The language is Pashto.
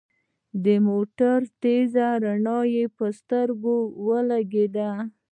د موټر تېزه رڼا يې پر سترګو ولګېده.